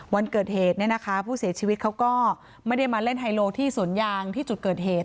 วันเกิดเหตุเนี่ยนะคะผู้เสียชีวิตเขาก็ไม่ได้มาเล่นไฮโลที่สวนยางที่จุดเกิดเหตุ